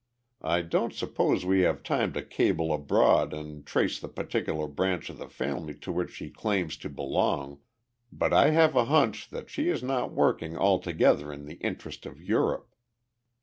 I don't suppose we have time to cable abroad and trace the particular branch of the family to which she claims to belong, but I have a hunch that she is not working altogether in the interest of Europe.